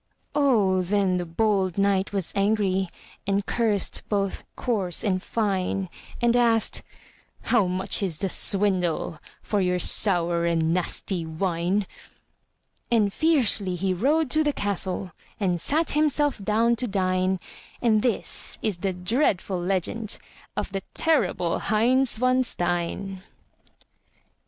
Oh, then the bold knight was angry, And cursed both coarse and fine; And asked, "How much is the swindle For your sour and nasty wine?" And fiercely he rode to the castle And sat himself down to dine; And this is the dreadful legend Of the terrible Heinz von Stein.